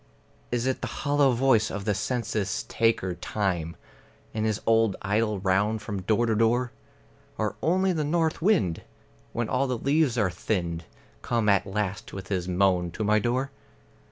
Is it the hollow voice of the census taker Time In his old idle round from door to door? Or only the north wind, when all the leaves are thinned, Come at last with his moan to my door?